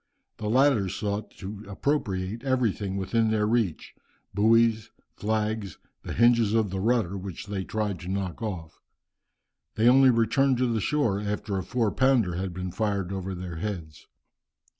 The latter sought to appropriate everything within their reach, buoys, flags, the hinges of the rudder, which they tried to knock off. They only returned to the shore after a four pounder had been fired over their heads.